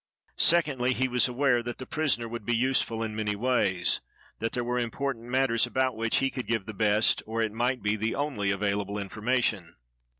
Secondly, he was aware that the prisoner would be useful in many ways ; that there were important matters about which he could give the best, or, it might be, the only available information.